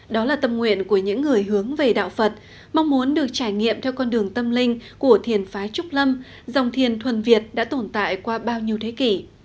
đó là tâm nguyện của những người hướng về đạo phật mong muốn được trải nghiệm theo con đường tâm linh của thiền phái trúc lâm dòng thiền thuần việt đã tồn tại qua bao nhiêu thế kỷ